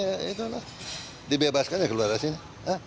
ya itu lah dibebaskan ya keluar dari sini